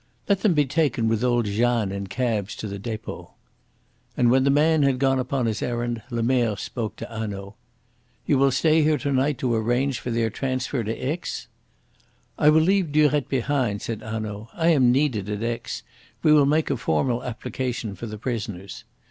"Let them be taken with old Jeanne in cabs to the depot." And when the man had gone upon his errand Lemerre spoke to Hanaud. "You will stay here to night to arrange for their transfer to Aix?" "I will leave Durette behind," said Hanaud. "I am needed at Aix. We will make a formal application for the prisoners."